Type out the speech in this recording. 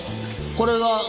これが。